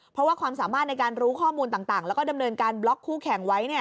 เพราะว่าความสามารถในการรู้ข้อมูลต่างแล้วก็ดำเนินการบล็อกคู่แข่งไว้